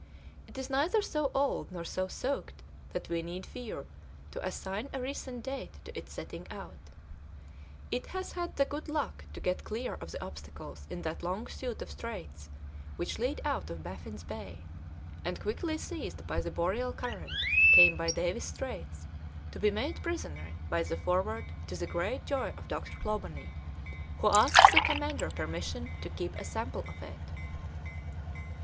It is neither so old nor so soaked that we need fear to assign a recent date to its setting out; it has had the good luck to get clear of the obstacles in that long suite of straits which lead out of Baffin's Bay, and quickly seized by the boreal current came by Davis's Straits to be made prisoner by the Forward to the great joy of Dr. Clawbonny, who asks the commander's permission to keep a sample of it."